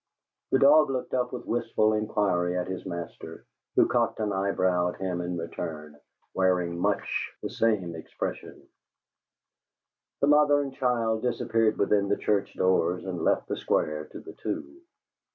The dog looked up with wistful inquiry at his master, who cocked an eyebrow at him in return, wearing much the same expression. The mother and child disappeared within the church doors and left the Square to the two.